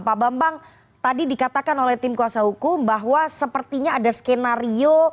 pak bambang tadi dikatakan oleh tim kuasa hukum bahwa sepertinya ada skenario